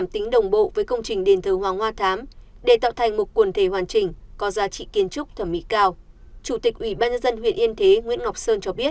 trong đó công trình đền thờ anh hùng dân tộc hoàng hoa thám và nghệ quân yên thế được khởi công ngày một mươi chín tháng năm năm hai nghìn hai mươi ba vận động và tài trợ